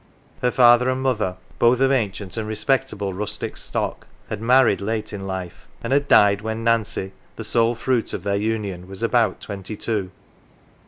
Her father and mother, both of ancient and respectable rustic stock, had married late in life, and had died when Nancy, the sole fruit of their union, was about twenty two.